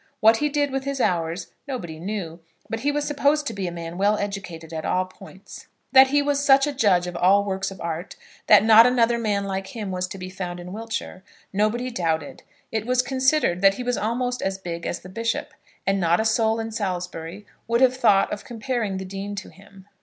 What he did with his hours nobody knew, but he was supposed to be a man well educated at all points. That he was such a judge of all works of art, that not another like him was to be found in Wiltshire, nobody doubted. It was considered that he was almost as big as the bishop, and not a soul in Salisbury would have thought of comparing the dean to him.